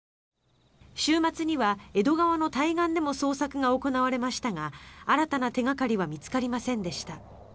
週末には江戸川の対岸でも捜索が行われましたが新たな手掛かりは見つかりませんでした。